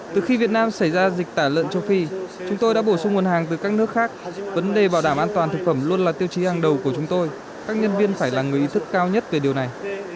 từ khi việt nam xảy ra dịch tả lợn châu phi chúng tôi đã bổ sung nguồn hàng từ các nước khác vấn đề bảo đảm an toàn thực phẩm luôn là tiêu chí hàng đầu của chúng tôi các nhân viên phải là người ý thức cao nhất về điều này